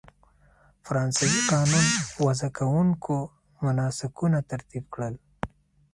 فرانسوي قانون وضع کوونکو مناسکونه ترتیب کړل.